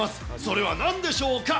それはなんでしょうか？